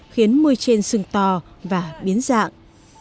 khiến môi trên sừng to và biến dạng